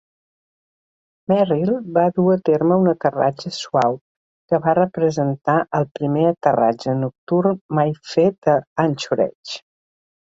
Merrill va dur a terme un aterratge suau, que va representar el primer aterratge nocturn mai fet a Anchorage.